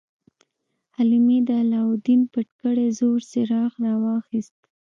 حلیمې د علاوالدین پټ کړی زوړ څراغ راواخیست.